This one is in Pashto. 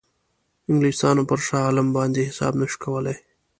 انګلیسانو پر شاه عالم باندې حساب نه شو کولای.